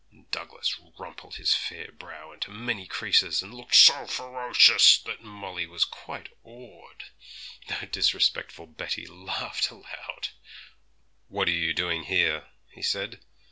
And Douglas rumpled his fair brow into many creases, and looked so ferocious that Molly was quite awed, though disrespectful Betty laughed aloud. '"What are you doing here?" he said.